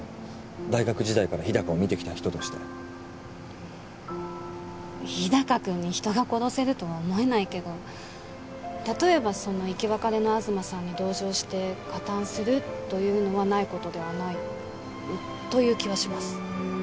大学時代から日高を見てきた人として日高君に人が殺せるとは思えないけど例えばその生き別れの東さんに同情して加担するというのはないことではないという気はします